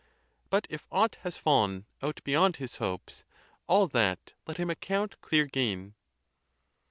_ But if Aught has fall'n out beyond his hopes, all that Let him account clear gain.?